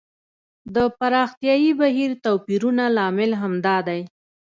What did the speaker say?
د پراختیايي بهیر توپیرونه لامل همدا دی.